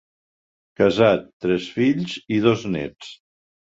Casat, tres fills i dos néts.